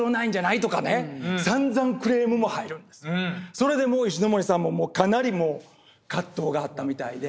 それでもう石森さんもかなりもう葛藤があったみたいで。